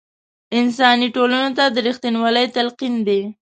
انساني ټولنو ته د رښتینوالۍ تلقین دی.